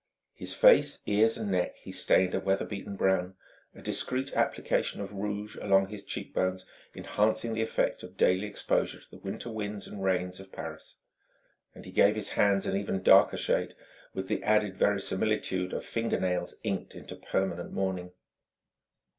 His face, ears and neck he stained a weather beaten brown, a discreet application of rouge along his cheekbones enhancing the effect of daily exposure to the winter winds and rains of Paris; and he gave his hands an even darker shade, with the added verisimilitude of finger nails inked into permanent mourning.